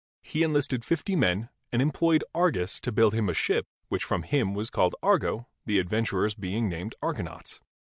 He enlisted fifty men and employed Argus to build him a ship, which from him was called Argo, the adventurers being named Argonauts.